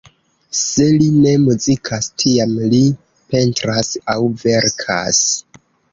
Se li ne muzikas, tiam li pentras aŭ verkas.